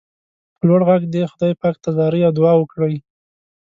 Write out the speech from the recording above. په لوړ غږ دې خدای پاک ته زارۍ او دعا وکړئ.